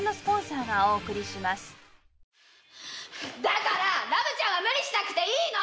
だからラブちゃんは無理しなくていいの！